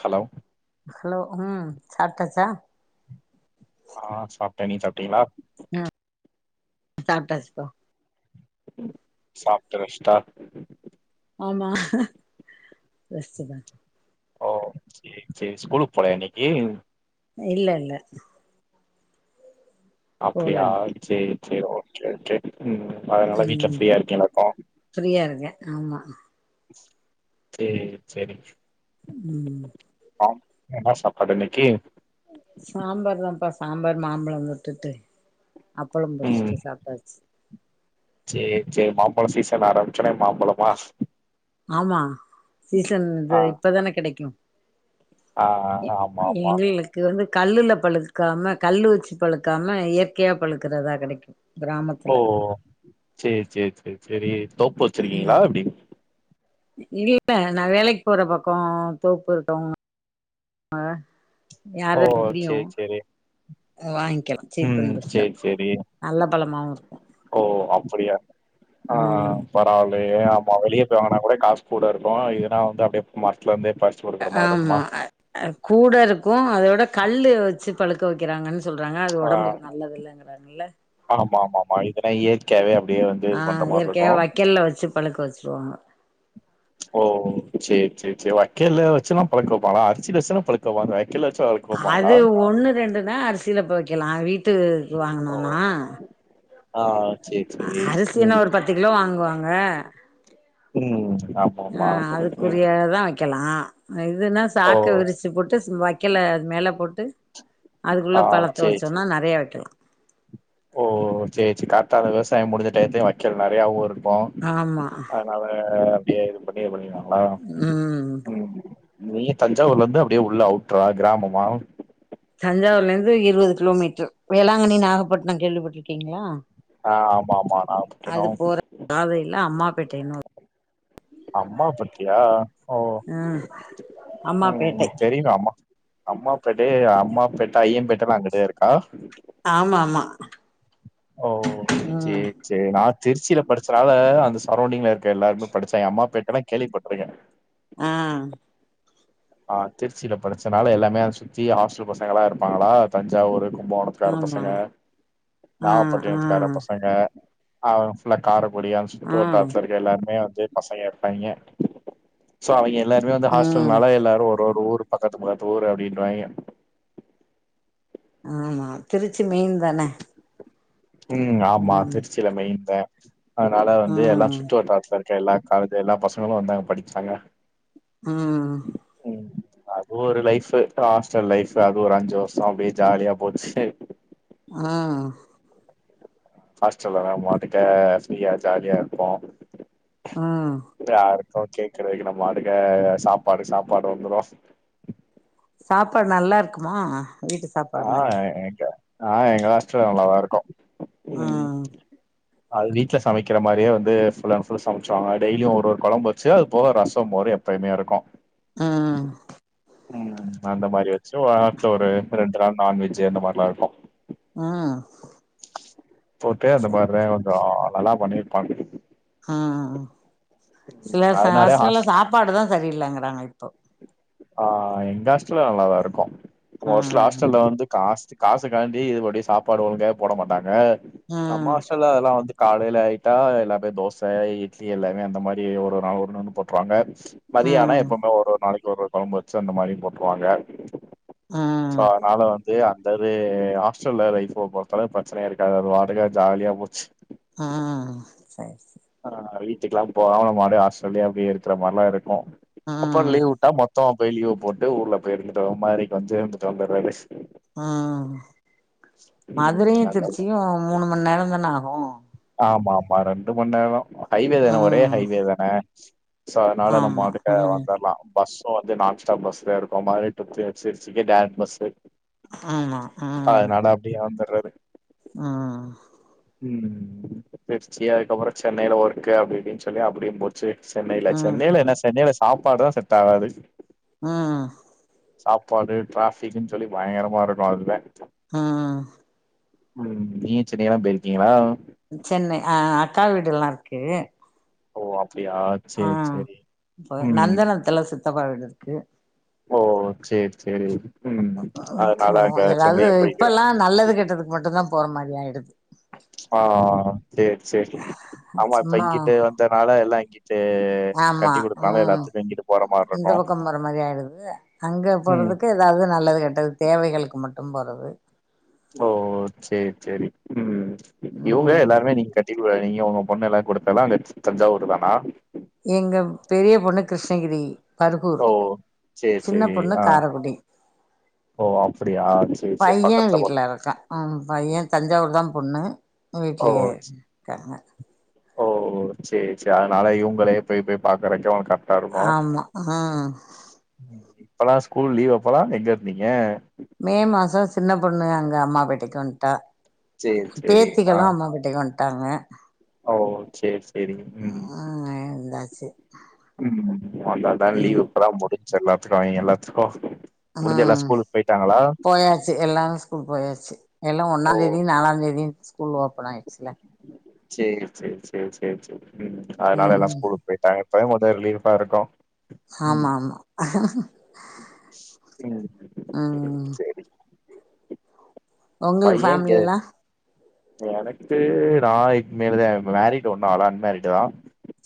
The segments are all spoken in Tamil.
ஹலோ ஹலோ ம் சாப்ட்டாச்சா ஆ சாப்ட்டே நீங்க சாப்ட்டீங்களா அ சாப்ட்டாச்சுப்பா சாப்ட்டு ரெஸ்டா ஆமா ரெஸ்ட்டுதா ஓ செரி செரி ஸ்கூலுக்கு போலயா இன்னிக்கி இல்ல இல்ல போல அப்படியா இன்னைக்கு செரி செரி ஓகே ஓகே ம் அதனால வீட்ல ம் ஃப்ரீயா இருக்கீங்களாக்கோ ஃப்ரீயா இருக்கே ஆமா செரி செரி ம் அப்றோ என்ன சாப்பாடு இன்னிக்கி சாம்பார்தாப்பா சாம்பார் மாம்பழோ வுட்டுட்டு அப்பளம் பொறிச்சுட்டு சாப்ட்டாச்சு செரி செரி மாம்பழம் சீசன் ஆரம்பிச்ச ஒட்னே மாம்பழமா ஆமா சீசன் இது ஆ இப்பதானே கெடைக்கு ஆ எ ஆமா ஆமா எங்குள்து இது வந்து கல்லுல பழுக்காம கல்லு வெச்சு பழுக்காம இயற்கையா பழுக்கறதா கெடைக்கோ ஓ செரி செரி செரி செரி தோப்பு ம் வெச்சிருக்கீங்களா எப்புடி இல்ல நா வேலைக்கு போற பக்கோ தோப்பு இருக்கவுங்க ஓ யாராருனு தெரியு சேரி சேரி வாங்கிக்கலா சீப் ம் அண்ட் பெஸ்ட்டா செரி செரி நல்ல பழமாவு இருக்கு ஓ அப்படியா ஆ ம் பாத் மா வெளியே போங்கனா கூட காசு கூட இருக்கோ இதனா வந்து அப்டி மரத்லே இருந்து பறிச் ஆமா அ கூட இருக்கோ அத விட கல்லு வெச்சு பழுக்க வெக்கறாங்கன்னு சொல்றாங்க அது ஆ ஒடம்புக்கு நல்லது இல்லங்கிறாங்கல ஆமா ஆமா ஆமா இதெல்லா இயற்கையாவே அப்டியே வந் அ இயற்கையாவே வைக்கல்ல வெச்சு பழுக்க வெச்சிருவாங்க ஓ சேரி சேரி சேரி வைக்கேல்ல வெச்சுன்னா பழுக்க வெப்பாங்களா அரிசில வெச்சுதா பழக்க வெப்பாங்க வைக்கல வெச்சு பழு அது ஒண்ணு ரெண்டுதா அரிசில ப வெக்கலா வீட் த்து ஓ வாங்கனோனா ஆ சேரி சேரி அதுக்கு என்ன ம் ஒரு பத் து கிலோ வாங்குவாங்க ம் ஆம் ஆ அதுக்குரியதா வெக்கலா இதுன்னா ஓ சாக்க விரிச்சு போட்டு வைக் வெக்கல அது மேலே போட்டு அதுக்குள்ள ஆ பழத்த சேரி சேரி வெச்சோம்னா நறையா வெக்கலா ஓ செரி செரி காத்தால விவசாயம் முடிஞ்ச டயத்துலயோ வைக்கல் நறையாவு இருக்கோ ஆமா அதனால அப்டியே இது பண்ணி பண்ணிறுவாங்ளா ம் நீ தஞ்சாவூர்ல இருந்து அப்டியே உள்ள அவுட்ரா கிராமமா தஞ்சாவூர்ல இருந்து இருவது கிலோமீட்டர் வேளாங்கண்ணி நாகப்பட்டினம் கேள்விப்பட்ருக்கீங்ளா ஆ ஆமா ஆமா நாகபட்னோ காலைல அம்மா பேட்டைனு ஒரு அம்மா பேட்டயா ஓ ம் ம் அம்மாபேட்டை தெரியுல அம்மா அம்மா பேட்டை அம்மா பேட்டை ஐய்யம்பேட்டலா அங்கிட்டே இருக்கா ஆமா ஆமா ஓ செரி ம் செரி நா திருச்சில படிச்சதால அந்த சரௌண்டிங்ல இருக்க எல்லாருமே படிச்சே எ அம்மா பேட்டலா கேள்விப்பட்ருக்கே ஆ ஆ திருச்சியில படிச்சனால எல்லாமே அத சுத்தி ஹாஸ்டல் பசங்களா இருப்பாங்களா தஞ்சாவூரு கும்பகோணம் த்துக்கார ஆமா பசங்க ஆ ஆ நாகப்பட்டிணத்துகார பசங்க அவுங்க ஃபுல்லா கார குடியான் சொல்ட்டு ஆ ஒரு தத்தருக்க எல்லாருமே வந்து பசங்க இருப்பாய்ங்க சோ அவிங்க எல்லாருமே வந்து ம் ஹாஸ்டல்னால எல்லாரு ஒரு ஒரு ஊர் பக்கத்து பக்கத்து ஊர் அப்டின்றாய்ங்க ஆமா திருச்சி மெயின் தான ம் ஆமா திருச்சியில மெய்ன்தா அதனால வந்து எல்லா சு ம் சுட்டு வட்டாரத்துல இருக்கற எல்லா காலேஜ்ஜி எல்லா பசங்களு வந்தாங்க படிச்சாங்க ம் ம் அது ஒரு லைஃபு ஹாஸ்ட்டல் லைஃபு அது ஒரு அஞ்சு வருஷோ அப்டே ஜாலியா போச்சு ஆ ஹாஸ்டல்லல்லா மாத்துடுட்ட ஃப்ரீயா ஜாலியா இருப்போ ம் இதா இருக்கு கேக்கற வரைக்கு நம் பாட்டுக்கு சாப்பாடு சாப்பாடு வந்துரு சாப்பாடு நல்லா இருக்குமா வீட்டுக் ஆ எங்க ஆ எங்க ஹாஸ்ட்டல்ல நல்லதா இருக்கு ம் ம் அது வீட்ல சமைக்கற மாரியே வந்து ஃபுல் அண்ட் ஃபுல்லு சமைச்சுருவாங்க டெய்லியு ஒரு ஒரு கொழம்பு வச்சு அது போக ரசம் மோரு எப் எப்பேயுமே இருக்கு ம் ம் அந்த மாரி வச்சு வாரத்துல ஒரு ரெண்டு நாள் நான்வெஜ்ஜி அந்த மாரில்லா இருக்கு ம் போட்டு அந்த மார்லே கொஞ்சோ நல்லா பண்ணிப்பாங் ம் ம் சில ச அதனாலே ஹாஸ்ட்டல்ல ஹாஸ் சாப்பாடுதா சரியில்லங்கறாங்க இப்போ ஆ எங்க ஹாஸ்டல்ல நல்லாதா இருக்கு ஒரு சில ம் ஹாஸ்டல்ல வந்து காஸ்ட்டு காசு காண்டி இதுபடி சாப்பாடு ஒழுங்காவே போட மாட்டாங்க நம்ம ம் ஹாஸ்டல்ல அதெல்லா வந்து காலையில ஆயிட்டா எல்லாமே தோச இட்லி எல்லாமே அந்த மாரி ஒரு ஒரு நாள் ஒன்னொன்னு போட்ருவாங்க மதிய ஆனா ம் எப்பவுமே ஒரு ஒரு நாளைக்கு ஒரு ஒரு கொழம்பு வச்சு அந்த மாரியும் போட்டுருவாங்க சோ ம் அதுனால வந்து அ ந்த அது ஹாஸ்டல்ல லைஃபு பொருத்தளவு பிரச்சனையே இருக்காது அது பாட்டுக்கு அது ஜாலியா போச்சு ம் சேரி சே ஆ வீட்டுக்கெல்லா போகாம நம்மாட்டு ஹாஸ்டல்லே அப்டே இருக்குற மாரிலா இருக்கு அப்றோ ம் லீவ் உட்டா மொத் தமா போயி லீவ போட்டு ஊர்ல போயி இருந்துட்டு வர மாரி கொஞ்சோ இருந்துட்டு வந்தற்ரது ம் மதுரையு நல்ல திருச்சியு மூணு மண் நேரோ தான ஆகு ஆமா ஆமா ரெண்டு மண் நேரோ ஹய்வே தான ஒரே ம் ஹய்வே தான சோ அதுனால நம்ம ஆமா வந்துட்டு ம் வந்தர்லா பஸ்ஸு வந்து நான் ஸ்டாப் பஸ்லியே இருக்கு மாரி [unintelligible] டேரக்ட் பஸ்ஸு ஆமா ம் அதனால அப்டியே வந்தடுறது ம் ம் திருச்சி அதுக்கப்றோ சென்னையில ஒர்க்கு அப்டி இப்டினு சொல்லி அப்டியும் போச் சி சென்னையில ம் சென்னையில என்ன சென்னையில சாப்பாடுதா செட் ஆகாது ம் சாப்பாடு டிராஃபிக்ன்னு சொல்லி பயங்கரமா இருக்கு அதுதே ம் ம் நீங்க சென்னையிலா போயிருக்கீங்ளா சென்னை ஆ அக்கா வீடுல்லா இருக்கு ஓ அப்டியா ஆ சேரி சேரி. இப்ப ம். நந்தனத்துல சித்தப்பா வீடு இருக்கு ஓ சேரி சேரி ம் அதனால போவோ அங்க ஏதாவது சென்னையும் போய்க்கிற இப்பெல்லா நல்லது கெட்டதுக்கு மட்டு தா போற மாரி ஆயிடுது ஆ சேரி சேரி ஆமா இப்ப சும்மா இங்கிட்டு வந்தனால எல்லா இங்கிட்டு ஆமா கட்டி குடுத்தனால ம் எல்லாத்துக்கு இங்கிட்டு போற மாரி இந்த இருக்கு பக்க போற மாதிரி ஆயிடுது அங்க ம் போறதுக்கு அதாவது நல்லது கெட்டது தேவைகளுக்கு மட்டு போறது ஓ சேரி சேரி ம் இவுங்க ம் எல்லாருமே நீங்க ட்டிக்குடநீங்க உங்க பொண்ணல்லா குடுத்தது அங்க தஞ்சாவூர் தானா எங்க பெரிய பொண்ணு கிருஷ்ணகிரி பருகூர் ஓ சேரி சின்ன சேரி பொண்ணு ஆ காரக்குடி ஓ அப்டியா சேரி சேரி பைய பக்கத்துல போல வீட்ல இருக்கா ம் பைய தஞ்சாவூர் தா பொண்ணு ஓ வீட்லயே இருக்காங்க ஓ சேரி சேரி அதுனால இவுங்களே போய் போய் பாக்கறக்கு உனக் கரெ கருமா ஆமா ம் இப்பதா ஸ்கூல் லீவ் அப்பதா என்ஜாய் பண்ணீங்க மே மாசோ சின்ன பொண்ணு அங்க அம்மா பேட்டைக்கு வந்ட்டா சேரி சேரி ஆ பேத்திகளு அம்மாபேட்டைக்கு வந்ட்டாங்க ஓ சேரி சேரிங்க ம் ம் எழுந்தாச்சு ம் அதா அதா லீவ் பூரா முடிச்சு எல்லாத்துக்கு அவைங்க எல்லாத்துக்கு முடிஞ்சு எல்லா ஸ்கூலுக்கு போயிட்டாங்களா எல்லாமே ஸ்கூல் போயாச்சு எல்லா ஓ ஒன்னா தேதி நாலா தேதி ஸ்கூல் ஓப்பன் ஆயிடுச்சுல சேரி சேரி சேரி சேரி சேரி ம் அதுனால எல்லா ம் ஸ்கூல் போயிட்டாங்க இப்பதா மொத ரிலீஃபா இருக்கு ம் ஆமா ஆமா ம் சேரி ம் சேரி உங்களுக்கு பைய இங்க ஃபேமிலில்லா எனக்கு நா இனிமேலு தா மேரிடு ஒன்னு ஆகல அன்மேரிடு தா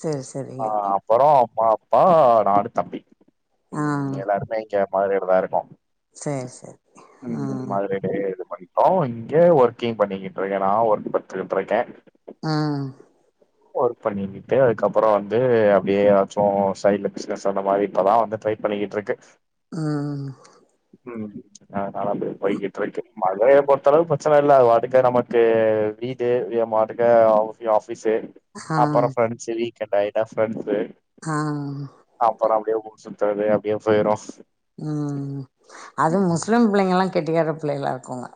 சேரி சேரி அப்பற பாப்பா நானு தம்பி ஆ எல்லாருமே கேம் ஆடிட்டு தா இருக்கோ சரி சரி ம் மாதிரி இது பண்டோ இங்க ஒர்க்கிங் பண்ணிக்கிட்டு இருக்கே நா ஒர்க் பட்டுகிட் இருக்க ம் ஒர்க் பண்ணிக்கிட்டு அதுக்கப்பற வந்து அப்டியே எதாச்சு சைட்ல பிசினஸ் அந்த மாரி இப்பதா வந்து ட்ரை பண்ணிக்கிட் இருக்கு ம் ம் அதனால அப்டியே போய்கிட்டு இருக்கு மதுரைய பொறுத்த அளவுக்கு பிரச்சன இல்ல அது பாட்டுக்கு நமக்கு வீடு எ பாட்டுக்கு அவ்ஃபி ஆஃபீஸு ஆ அப்பற ஃப்ரெண்ட்ஸ் வீக்கெண்ட் ஆயிட்டா ஃப்ரெண்ட்ஸு ஆ அப்பற அப்டியே ஊர் சுத்துறது அப்டியே போயிரு ம் அதும் முஸ்லீம் புள்ளைங்கலா கெட்டிக்கார புள்ளைகலா இருக்குங்க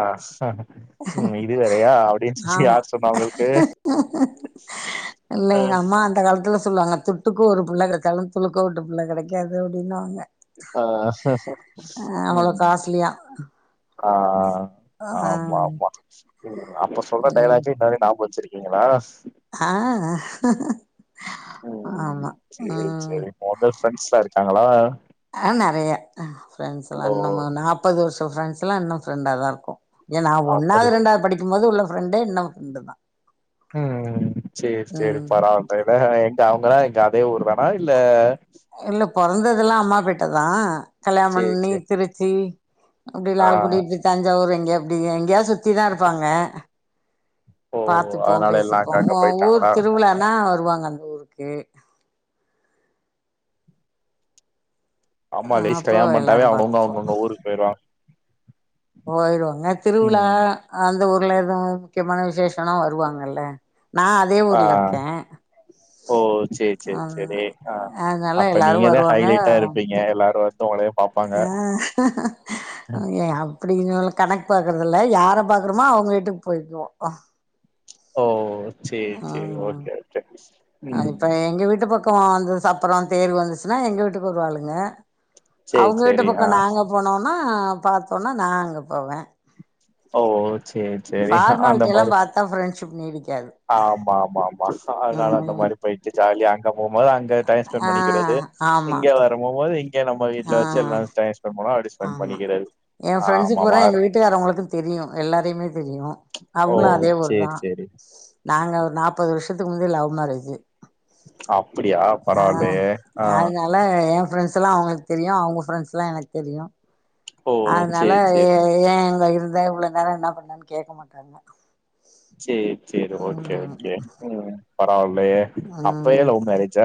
ஆ ஷ கு ம் இது வேறயா அப்டின் சொசி ஆமா யார் சொன்னா உங்களுக்கு இல்ல ஆ எங்க அம்மா அந்த காலத்துல சொல்லுவாங்க துட்டுக்கு ஒரு புள்ள கெடச்சாலு துளுக்க வுட்டு புள்ள கெடைக்காது அப்டின்னு வாங்க ஆ செர் செர் ம் காஸ்ட்லியா ஆ ஆ ஆமாமா அப்ப சொல்ற ம் டயலாக்கு இன்ன வரையு நாப்க வச்சிருக் நீங்களாஸ் ஆ ம் ஆமா சேரி ம் சேரி மொத ஃப்ரெண்ட்ஸ்லா இருக்காங்களா ஆ நெறய ஃப்ரெண்ட்ஸுலா ஓ இன்னுமு நாப்பது வர்ஷோ ஃப்ரெண்ட்ஸ்லா இன்னு ஃப்ரெண்டா தார்க்கோ ஏ நா அப்படி ஒன்னாவது ரெண்டாவது படிக்கும் போது உள்ள ஃப்ரெண்டே இன்னும் ஃப்ரெண்டு தா ம் ம் சேரி சேரி ம் பரவால் [unintelligible] எங்க அவங்கள எங்க அதே ஊர் தானா இல்ல இல்ல பொறந்ததுலா அம்மாபேட்ட தா கல்யாணம் சேரி பண்ணி சேரி திருச்சி அப்டியே ஆ லால்குடி திர் தஞ்சாவூர் எங்யே அப்டி எங்கேயாவது சுத்தி தா இருப்பாங்க ஓ பாத்துப்போ அதனால எல்லா பேசிப்போ அங்க அங்க ஒ ஊர் போயிட்டாங்களா திருவிழானா வருவாங்க அந்த ஊருக்கு ஆமா லேடிஷ் அப்போ கல்யாண பண்ட்டாவே எல்லாரு அவுங்கவுங்க பாத்துப்போ அவுங்கங்க ஊருக்கு பேய்ருவாங்க போகயிருவோங்க திருவிழா ம் அந்த ஊர்ல எது முக்கியமான விசேஷனா வருவாங்கல்ல நா அத் அதே ஆ ஊர்லர்க்கே ஓ சேர் சேர் செரி ஆ அதனால அப்ப எல்லாரு நீங்க தா வருவாங்க ஹைலைட்டா இருப்பீங் ஏ எல்லாரு வன்தோ ஒனேப் அ ஏ அப்டினுல கணக் பாக்றதில்ல யார பாக்கறோமோ அவுங்க வீட்டுக்கு போய்க்குவோ ஓ சேர் சேர் ம் ஓகே ஓகே ம் இப்ப எங்க வீட்டு பக்கோ வாந்தஸ் தப்பறொ தேர் வந்துச்சுனா எங்க வீட்டுக்கு வருவாளுங்க சேரி அவுங்க வீட்டு சேரி பக்க ஆ நாங்க போனோனா பாத்தோன்னா நா அங்க போவே ஓ சேரி சேரி அந்த மாரி அத்தா ஃப்ரெண்ட்ஷிப் நீடிக்காது ஆமா ஆமா ஆமா அதனால அந்த ம் மாரி போயிட்டு ஜாலியா அங்க போம்போது அங்க டைம் ஸ்பெண்ட் ஆ பண்ணிக்கிறது ஆமா இங்க வரபோம்போது இங்க நம்ம ஆ வீட்ல வச்சு எல்லா டைம்ஸ் ஸ்பெண்ட் பண்லா அடி ஆமா எ ஃப்ரெண்ஸு பூரா எங்க வீட்டுக்காரவுங்களுக்கு தெரியு எல்லாரையுமே தெரியு ஓ அவுங்ளோ அதே ஊர் தா சேரி சேரி நாங்க நாப்பது வருஷத்துக்கு முந்தி லவ் மேரேஜு அப்புடியா பரவால்லயே ஆ லே ஏ ஃப்ரெண்ட்ஸ்லா அவுங்ளுக் தெரியோ அவுங்க ஃப்ரெண்ட்ஸ்லா எனக் தெரியோ ஓ அதனால சேரி சேரி ஏ எங்க இருந்த இவ்ளோ நேரோ இன்ன பண்ணன் கேக்க மாட்டாங்க சேர் சேரி ஓகே ம் ஓகே பரவால்லையே அப்பயே ம் லவ் மேரேஜு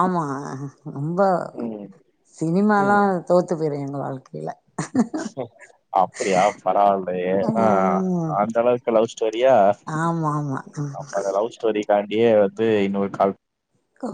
ஆமா ரொம்ப ம் சினிமாலா ம் தோத்து போய்றோ எங்க வாழ்க்கையில அப்படியா பரவாயில்லயே ஆ அந்த அளவுக்கு லவ் ஸ்டோரியா ஆமாம்மா இதுக்காண்டியே வந்து இன்னொரு கால் கோ